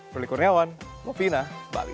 perliku reawan mufinah bali